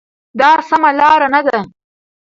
دا سمه لار نه ده.